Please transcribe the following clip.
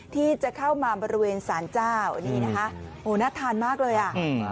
ที่จะเข้ามาบริเวณสารเจ้านี่นะคะโอ้น่าทานมากเลยอ่ะ